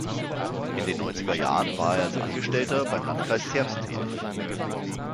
In den neunziger Jahren war er als Angestellter beim Landkreis Zerbst tätig.